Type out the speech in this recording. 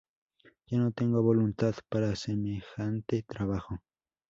Ya no tengo voluntad para semejante trabajo.